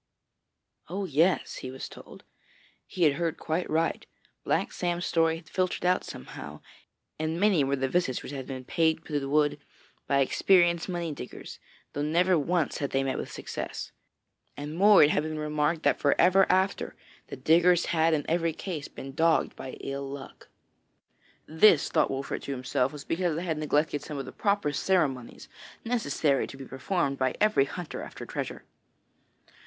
'Oh! yes,' he was told, 'he had heard quite right. Black Sam's story had filtered out somehow, and many were the visits which had been paid to the wood by experienced money diggers, though never once had they met with success. And more, it had been remarked that for ever after, the diggers had in every case been dogged by ill luck.' (This, thought Wolfert to himself, was because they had neglected some of the proper ceremonies necessary to be performed by every hunter after treasure.)